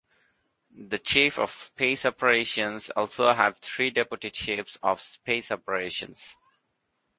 The chief of space operations also have three deputy chiefs of space operations.